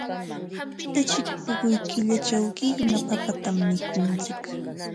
Uchik puquy killachaq qiqna papatam mikuntsik.